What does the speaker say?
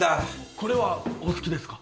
これはお好きですか？